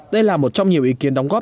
đây là một trong nhiều ý kiến đóng góp